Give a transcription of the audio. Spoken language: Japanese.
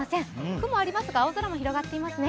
雲ありますが青空も広がっていますね。